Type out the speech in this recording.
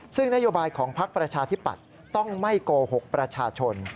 ซึ่งนโยบายของพักประชาธิปัตย์ต้องไม่โกหกประชาชน